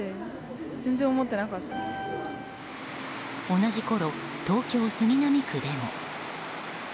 同じころ、東京・杉並区でも。